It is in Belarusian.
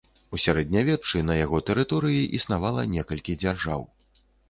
У сярэднявеччы на яго тэрыторыі існавала некалькі дзяржаў.